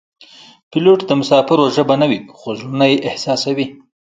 پیلوټ د مسافرو ژبه نه وي خو زړونه یې احساسوي.